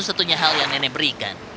satunya hal yang nenek berikan